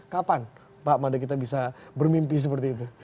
kapan pak manda kita bisa bermimpi seperti itu